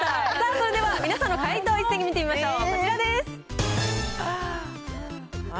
さあ、それでは皆さんの解答を一斉に見てみましょう。